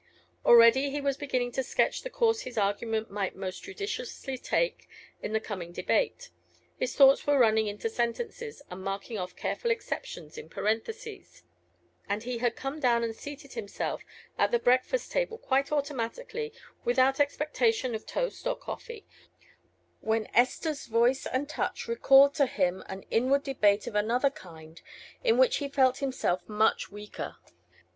Already he was beginning to sketch the course his argument might most judiciously take in the coming debate; his thoughts were running into sentences, and marking off careful exceptions in parentheses; and he had come down and seated himself at the breakfast table quite automatically, without expectation of toast or coffee, when Esther's voice and touch recalled to him an inward debate of another kind, in which he felt himself much weaker.